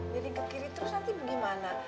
kiri ke kiri terus nanti bagaimana